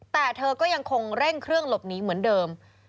แต่เธอก็ยังคงเร่งเครื่องหลบหนีเหมือนเดิม